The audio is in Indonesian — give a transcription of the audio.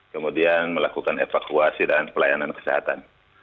kemudian melakukan evakuasi dan pelayanan kesehatan